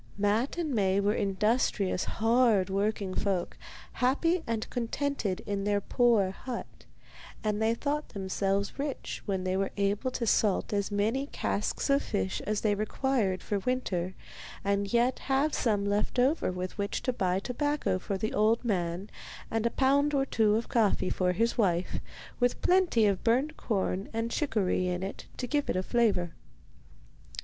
Matte and Maie were industrious, hard working folk, happy and contented in their poor hut, and they thought themselves rich when they were able to salt as many casks of fish as they required for winter and yet have some left over with which to buy tobacco for the old man, and a pound or two of coffee for his wife, with plenty of burned corn and chicory in it to give it a flavour.